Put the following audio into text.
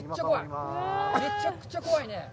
めちゃくちゃ怖いな！